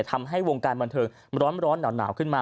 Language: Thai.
ทำให้วงการบันเทิงร้อนหนาวขึ้นมา